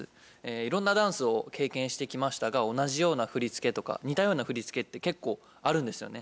いろんなダンスを経験してきましたが同じような振り付けとか似たような振り付けって結構あるんですよね。